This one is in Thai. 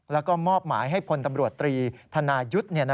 แล้วก็มอบหมายให้พลตำรวจตรีธนายุทธ์